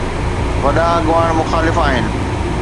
وڏا اڳواڻ مخالف آهن.